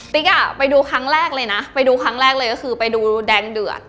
ไปดูครั้งแรกเลยนะไปดูครั้งแรกเลยก็คือไปดูแดงเดือด